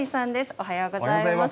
おはようございます。